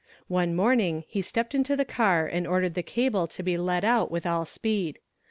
One morning he stepped into the car and ordered the cable to be let out with all speed.